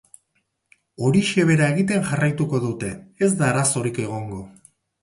Horixe bera egiten jarraituko dute, ez da arazorik egongo.